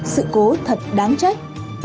sự cố thật đáng trách